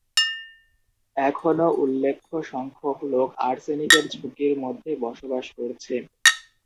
এখনও উল্লেখ্য সংখ্যক লোক আর্সেনিকের ঝুঁকির মধ্যে বসবাস করছে।